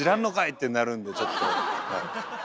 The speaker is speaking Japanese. ってなるんでちょっとはい。